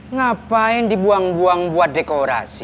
ngapain dibuang buang buat dekorasi